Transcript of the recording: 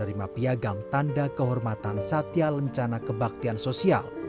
menerima piagam tanda kehormatan satya lencana kebaktian sosial